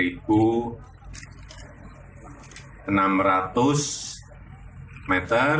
tahapan kedua nantinya dua meter